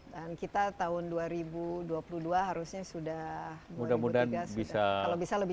dan kita tahun dua ribu dua puluh dua harusnya sudah kalau bisa lebih cepat lagi